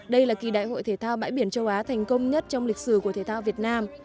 đây là kỳ đại hội thể thao bãi biển châu á thành công nhất trong lịch sử của thể thao việt nam